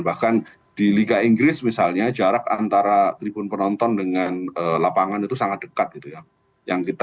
bahkan di liga inggris misalnya jarak antara tribun penonton dengan lapangan itu sangat dekat gitu ya